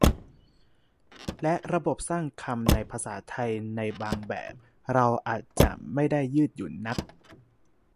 และระบบสร้างคำในภาษาไทยในบางแบบเราอาจจะไม่ได้ยืดหยุ่นนัก